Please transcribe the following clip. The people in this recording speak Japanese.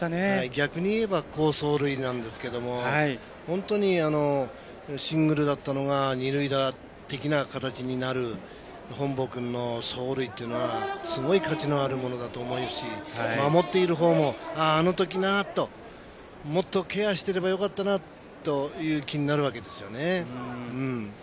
逆に言えば好走塁なんですけど本当にシングルだったのが二塁打的な形になる本坊君の走塁というのはすごく価値のあるものだと思うし守っているほうも「あ、あのときな」ともっとケアしておけばよかったなという気になるんですね。